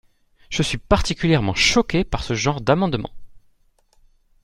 Je suis particulièrement choquée par ce genre d’amendements.